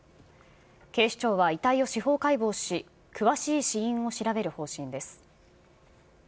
警視庁は、遺体を司法解剖し、詳しい死因を調べる方針です。